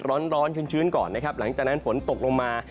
ร้อนร้อนชื้นก่อนนะครับหลังจากนั้นฝนตกลงมา